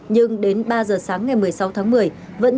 nhưng đến ba giờ sáng ngày một mươi sáu tháng một mươi vẫn